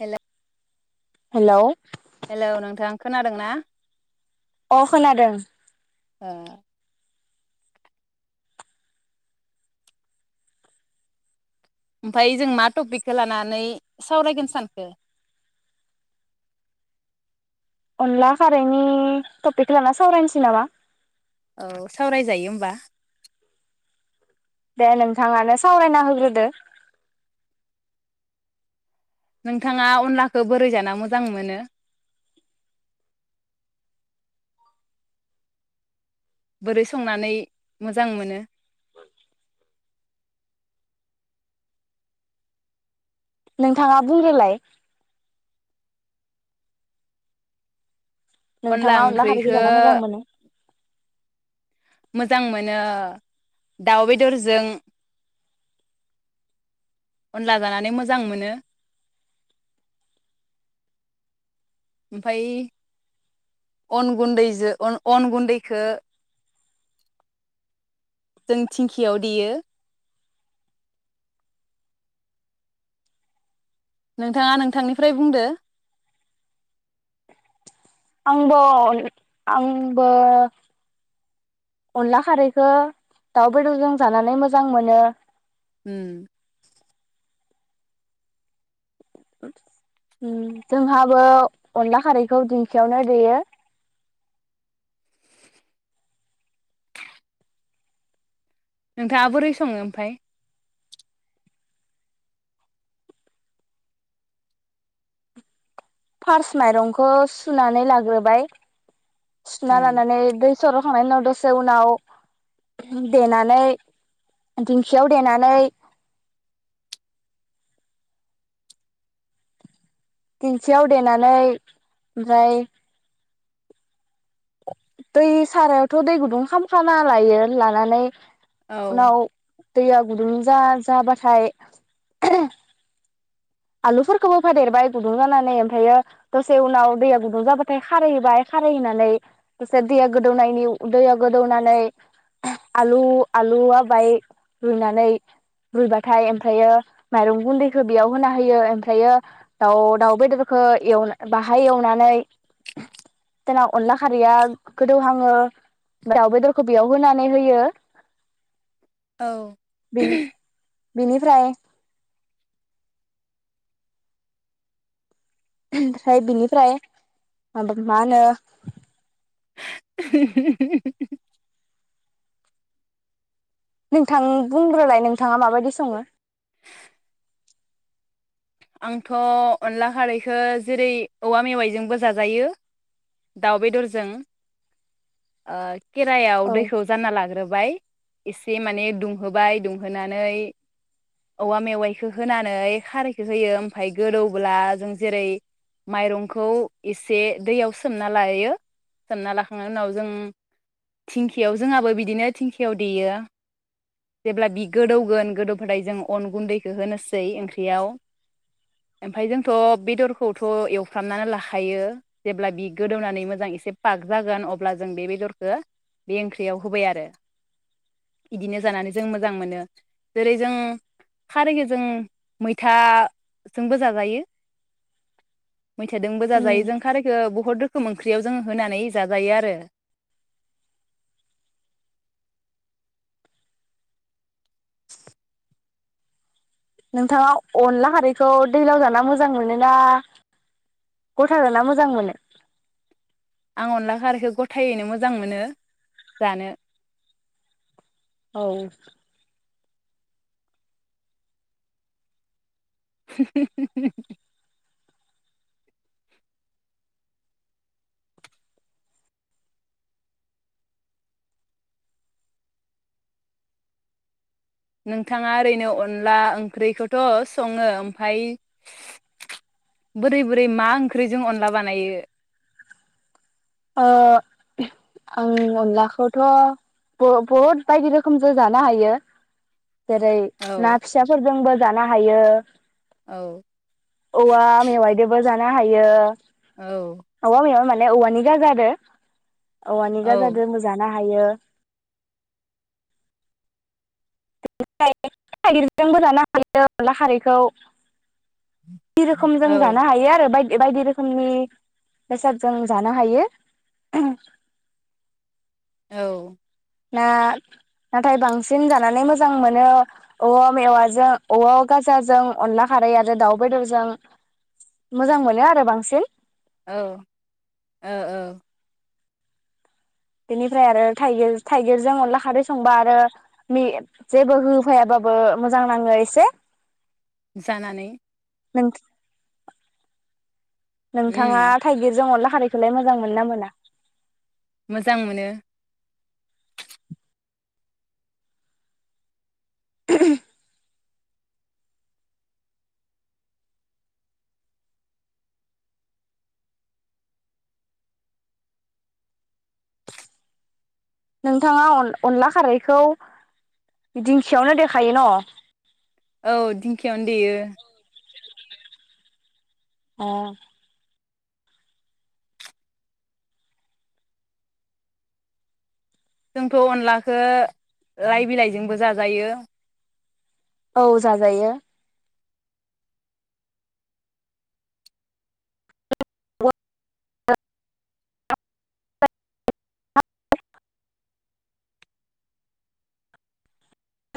Hello hello hello नोंथां खोनादों ना? अ खोनादों ओ ओमफाय जों मा टपिकखौ लानानै सावरायगोन सानखो अनला खारैनि टपिक लाना सावरायनोसै नामा औ सावराय जायो होमबा दे नोंथाङानो सावरायना होग्रोदो नोंथाङा अनलाखौ बोरै जाना मोजां मोनो? बोरै संनानै मोजां मोनो? नोंथाङा बुंग्रोलाय नोंथाङा अनला खारैखो जाना मोजां मोनो मोजां मोनो दाउ बेदरजों अनला जानानै मोजां मोनो ओमफाय अन गुन्दैजों अन-अन गुन्दैखो जों धिंखियाव देयो नोंथाङा नोंथांनिफ्राय बुंदो आंबो आंबो अनला खारैखो दाउ बेदरजों जानानै मोजां मोनो ओम ओम जोंहाबो अनला खारैखौ दिंखियावनो देयो नोंथाङा बोरै सङो ओमफाय फार्स माइरंखौ सुनानै लाग्रोबाय सुना उम लानानै दै सर'खांनायनि उनाव दसे उनाव देनानै दिंखियाव देनानै दिंखियाव देनानै ओमफ्राय दै सारायावथ' दै गुदुं खालामखाना लायो लानानै औ उनाव दैया गुदुं जा-जाबाथाय आलुफोरखौबो होफादेरबाय गुदुं जानानै ओमफायो दसे उनाव दैया गुदुं जाबाथाय खारै होबाय खारै होनानै दसे दैया गोदौनायनि दैया गोदौनानै आलु आलुआबाय रुइनानै रुइबाथाय ओमफ्रायो माइरं गुन्दैखौ बेयाव होना होयो ओमफ्रायो दाउ दाउ बेदरखौ एव बाहाय एवनानै जोंहा अनला खारैया गोदौहाङो दाउ बेदरखौ बेयाव होनानै होयो औ [unintelligible] बिनिफ्राय ओमफ्राय बिनिफ्राय माबा मा होनो [inaudible] नोंथां बुंग्रोलाय नोंथाङा माबायदि सङो? आंथ' अनला खारैखो जेरै औवा मेवाइजोंबो जाजायो दाउ बेदरजों ओ खेरायाव औ दैखौ जानना लाग्रोबाय एसे माने दुंहोबाय दुंहोनानै औवा मेवाइखो होनानै खारैखौ होयो ओमफ्राय गोदौब्ला जों जेरै माइरंखौ एसे दैयाव सो सोमना लायो सोमना लाखांनायनि उनाव जों धिंखियाव जोंहाबो बिदिनो धिंखियाव देयो जेब्ला बि गोदौगोन गोदौब्लाथाय जों अन गुन्दैखौ होनोसै ओंख्रियाव ओमफाय जोंथ' बेदरखौथ' एवफ्रामनानै लाखायो जेब्ला बि गोदौनानै मोजां एसे पाग जागोन अब्ला जों बे बेदरखो बे ओंख्रियाव होबाय आरो इदिनो जानानै जों मोजां मोनो जेरै जों खारैखो जों मैथाजोंबो जाजायो मैथाजोंबो उम जाजायो जों खारैखो बहुद रो खोम ओंख्रियाव जों होनानै जाजायो आरो [inaudible] नोंथाङा अनला खारैखौ दैलाव जाना मोजां मोनो ना गथा जाना मोजां मोनो आं अनला खारैखो गथायैनो मोजां मोनो जानो औ [unintelligible] नोंथाङा ओरैनो अनला ओंख्रिखौथ सङो ओमफाय बोरै बोरै मा ओंख्रिजों अनला बानायो ओ आं अनलाखौथ बहुद बायदि रोखोमजों जानो हायो जेरै ना औ फिसाफोरजोंबो जानो हायो औ औवा मेवाइदोबो जानो नो हायो औ औवा मेवाइ औवानि गाजा आरो औवानि औ गाजादो जानो हायो थागिरजोंबो लानो हायो अनला खारैखौ जि रोखोम औ जों जानो हायो आरो बायदि बायदि रोखोमनि बेसाद जों जानो हायो औ ना नाथाय बांसिन जानानै मोजां मोन नो औवा मेवाइजों औवा गाजाजों अनला खारै आरो दाउ बेदरजों मोजां मोनो आरो बांसिन औ औ औ बेनिफ्राय आरो थाइगिर थाइगिरजों अनला खारै संबा आरो मि जेबो होफैयाबाबो मोजां नाङो एसे जानानै नों नोंथाङा उम थाइगिरजों अनला खारैखौलाय मोजां मोनो ना मोना मोजां मोनो [inaudible] नोंथाङा अन अनला खारैखौ दिंखियावनो देखायो न' औ दिंखियावनो देयो अ जोंथ' अनलाखौ लाइ बिलाइजोंबो जाजायो औ जाजायो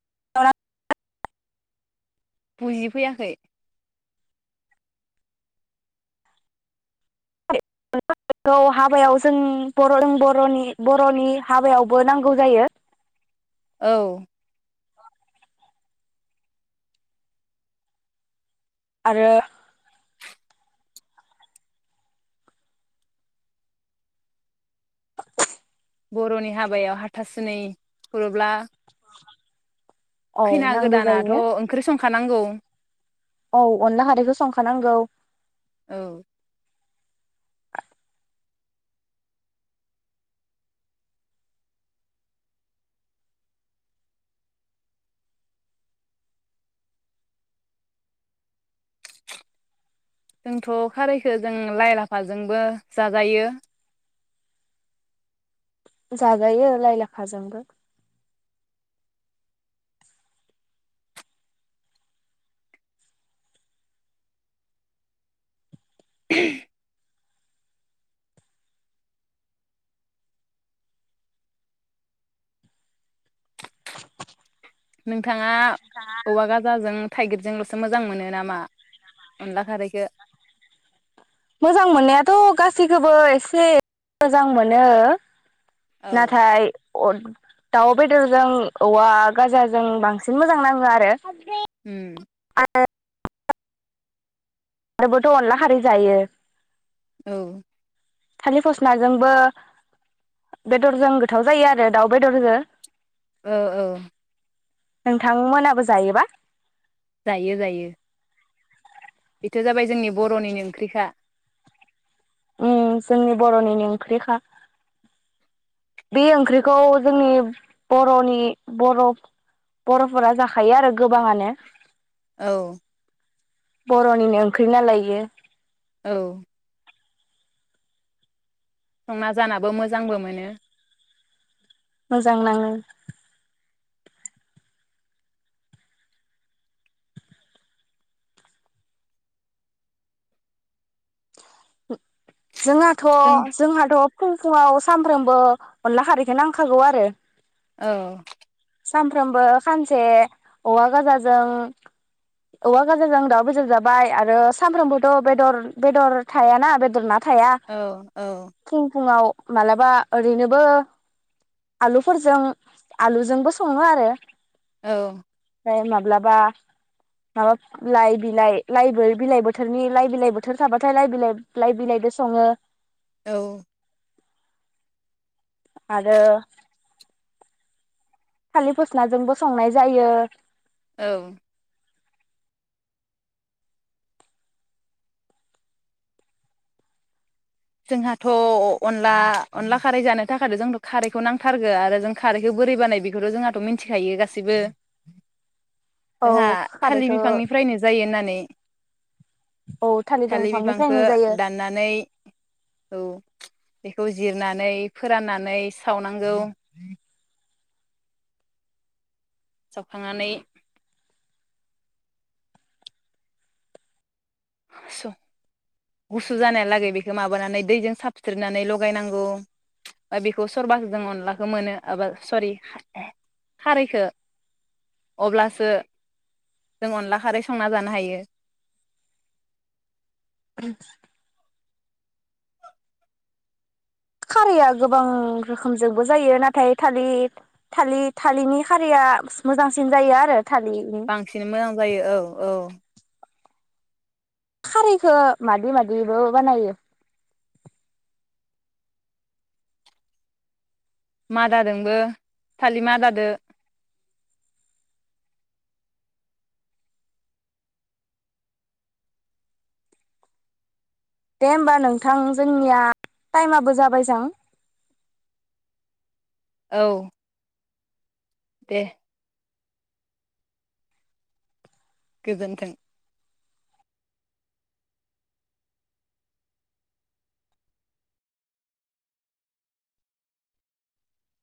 [unintelligible] बुजि फैयाखै बेखौ हाबायाव जों बर' जों बर'नि बर'नि हाबायावबो नांगौ जायो औ आरो बर'नि हाबायाव हाथासुनै खुरोब्ला [inaudible] औ खैना नांगौ गोदानाथ' जायो ओंख्रि सं खानांगौ औ अनला खारैखौ संखानांगौ। औ जोंथ' खारैखो जों लाइ लाफाजोंबो जाजायो। जाजायो लाइ लाफाजोंबो। [unintelligible] नोंथा थाङा औवा गाजाजों थाइगिरजोंल'सो मोजां मोनो नामा अनला खारैखो मोजां मोननायाथ' गासैखौबो एसे मोजां मोनो। औ नाथाय अ दाउ बेदरजों औवा गाजाजों बांसिन मोजां नाङो आरो। उम आरोबोथ' अनला खारै जायो। औ थालिर फस्लाजोंबो बेदरजों गोथाव जायो आरो दाउ बेदरजो ओ औ नोंथांमोनाबो जायोबा? जायो जायो। बेथ' जाबाय जोंनि बर'निनो ओंख्रिखा। उम जोंनि बर'निनो ओंख्रिखा। बे ओंख्रिखौ जोंनि बर'नि बर' बर'फोरा जाखायो आरो गोबाङानो। औ। बर'निनो ओंख्रि नालाय इयो। औ संना जानाबो मोजांबो मोनो। मोजां नाङो। जोंहाथ' जों जोंहाथ' फुं फुङाव सानफ्रोमबो अनला खारैखो नांखागौ आरो। औ सानफ्रोमबो खानसे औवा गाजाजों औवा गाजाजों दाउ बेदर जाबाय आरो सानफ्रोमबोथ' बेदर बेदर थायाना बेदर ना थाया औ औ फुं फुंङाव मालाबा ओरैनोबो आलुफोरजों आलुजोंबो संङो आरो औ फाय माब्लाबा माबा लाइ बिलाइ लाइबो बिलाइ बोथोरनि लाइ बिलाइ बोथोर थाबाथाय लाइ बिलाइ लाइ बिलाइबो सङो। औ आरो थालि फस्लाजोंबो संनाय जायो। औ जोंहाथ अनला अनला खारै जानो थाखायथ' जोंथ खारैखौ नांथारगो आरो जों खारैखौ बोरै बानाय बेखौथ जोंहाथ मिथिखायो गासैबो। औ जोंहा खारैखौ थालिर बिफांनिफ्रायनो जायो होननानै औ थालिर बिफांखौ दंफांनिफ्रायनो जायो। दाननानै औ बेखौ जिरनानै फोराननानै सावनांगौ। सावखांनानै गुसु जानायालागै बेखौ माबानानै दैजों साबस्रिनानै लगायनांगौ बा बेखौ सरबाखौ जों अनलाखौ मोनो एबा सरि खारैखौ अब्लासो जों अनला खारै संना जानो हायो। उम [unintelligible] खारैया गोबां रोखोमजोंबो जायो नाथाय थालि थालि थालिरनि खारैया मोजांसिन जायो आरो। थालिरनि बांसिन मोजां जायो औ औ। खारैखौ मादि मादिबो बानायो? मादादोंबो थालि मादादो। दे होमबा नोंथां जोंनिया टाइमाबो जाबाय जां। औ दे गोजोन्थों